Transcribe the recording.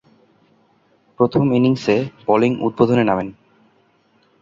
প্রথম ইনিংসে বোলিং উদ্বোধনে নামেন।